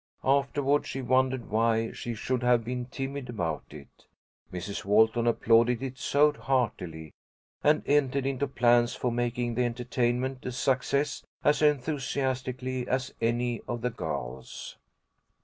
Afterward she wondered why she should have been timid about it. Mrs. Walton applauded it so heartily, and entered into plans for making the entertainment a success as enthusiastically as any of the girls.